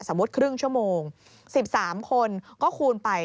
ครึ่งชั่วโมง๑๓คนก็คูณไป